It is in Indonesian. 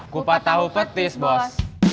kupat tahu petis bos